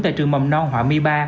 tại trường mầm non họa my ba